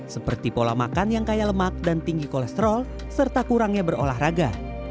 seperti pola makan yang kaya lemak dan tinggi kolesterol serta kurangnya berolahraga